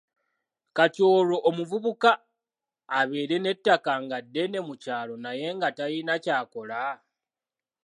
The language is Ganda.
Kati olwo omuvubuka abeere n'ettaka nga ddene mu kyalo naye nga talina ky'akola?